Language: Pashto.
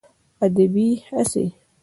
ادبي هڅې